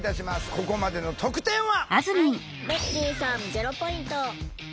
ここまでの得点は。